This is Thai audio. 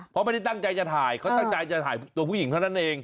เพราะไม่ได้ตั้งใจจะถ่ายเขาตั้งใจจะถ่ายตัวผู้หญิงเท่านั้นเอง